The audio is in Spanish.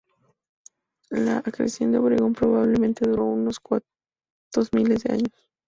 La acreción de Oberón probablemente duró unos cuantos miles de años.